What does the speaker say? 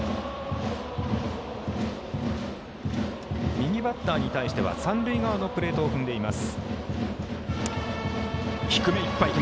右バッターに対しては三塁側のプレートを踏んでいます。